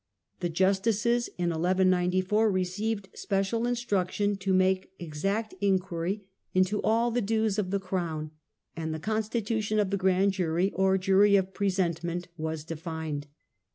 The justices in 1194 received special instruction to make exact inquiry into all the dues of the crown, and the constitution of the grand jury (or jury of The govern presentment) was defined.